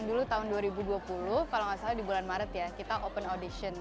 dulu tahun dua ribu dua puluh kalau nggak salah di bulan maret ya kita open audition